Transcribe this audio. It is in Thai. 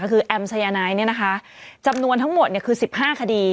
ก็คือแอมสายนายเนี่ยนะคะจำนวนทั้งหมดคือ๑๕คดี